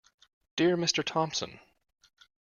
Dear Mr Thompson.